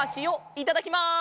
いただきます！